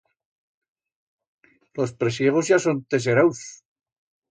Los presiegos ya son teseraus.